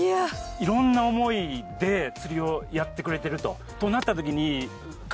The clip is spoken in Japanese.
いろんな思いで釣りをやってくれてると。